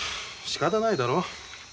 しかたないだろ。